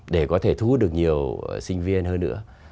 để có thể thu hút được nhiều sinh viên hơn nữa